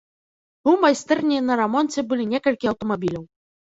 У майстэрні на рамонце былі некалькі аўтамабіляў.